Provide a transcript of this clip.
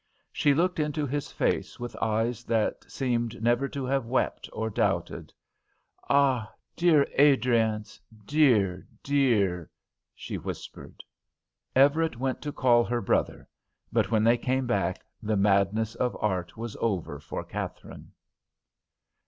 She looked into his face with eyes that seemed never to have wept or doubted. "Ah, dear Adriance, dear, dear!" she whispered. Everett went to call her brother, but when they came back the madness of art was over for Katharine.